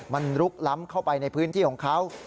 มันลุกล้ำเข้าไปในพื้นที่ของเขา